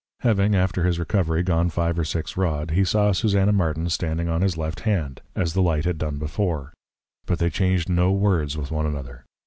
Having, after his Recovery, gone five or six Rod, he saw Susanna Martin standing on his Left hand, as the Light had done before; but they changed no words with one another.